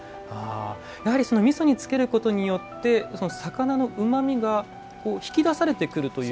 やはりみそに漬けることによって魚のうまみが引き出されてくるという。